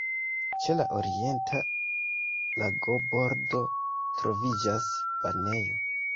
Ĉe la orienta lagobordo troviĝas banejo.